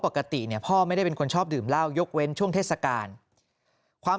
ปกติเนี่ยพ่อไม่ได้เป็นคนชอบดื่มเหล้ายกเว้นช่วงเทศกาลความ